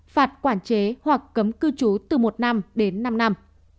phạt quản chế hoặc cấm cư trú từ một năm đến năm năm